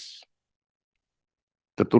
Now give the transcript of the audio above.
atau rapat ini tertutup